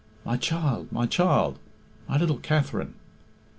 My child, my child! My little Katherine!"